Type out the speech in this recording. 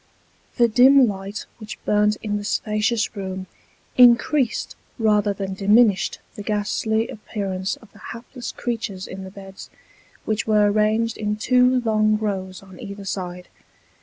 The dim light which burnt in the spacious room, increased rather than diminished the ghastly appearance of the hapless creatures in the beds, which were ranged in two long rows on either side.